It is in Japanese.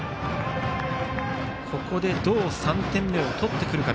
ここでどう３点目を取ってくるか。